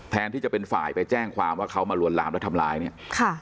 แทนที่จะเป็นฝ่ายไปแจ้งความว่าเขามาลวนลามแล้วทำร้ายเนี่ยค่ะ